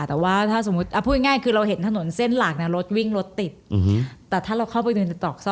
แต่ว่าถ้าสมมุติพูดง่ายคือเราเห็นถนนเส้นหลักนะรถวิ่งรถติดแต่ถ้าเราเข้าไปในตอกซอ